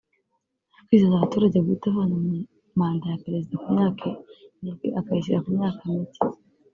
Kwizeza abaturage guhita avana manda ya perezida ku myaka indwi akayishyira ku myaka mike